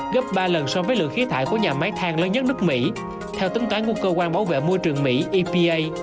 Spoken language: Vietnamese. gấp ba lần so với lượng khí thải của nhà máy thang lớn nhất nước mỹ theo tính toán của cơ quan bảo vệ môi trường mỹ epa